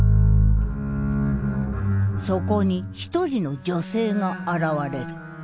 そこに一人の女性が現れる。